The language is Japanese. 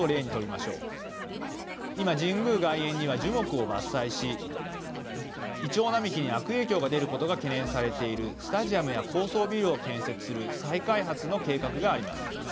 今神宮外苑には樹木を伐採し銀杏並木に悪影響が出ることが懸念されているスタジアムや高層ビルを建設する再開発の計画があります。